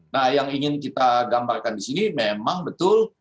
nah yang ingin kita gambarkan di sini memang betul